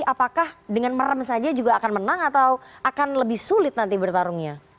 apakah dengan merem saja juga akan menang atau akan lebih sulit nanti bertarungnya